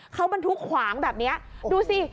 เขาบรรทุกขวางแบบนี้ดูสิ